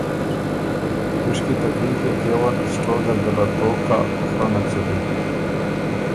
دُشکی تکلیف يې کېون سټو زر ده له توک کَۀ خورنک سُو بی۔